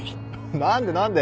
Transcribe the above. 何で何で？